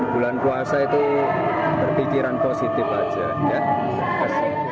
bulan puasa itu berpikiran positif aja ya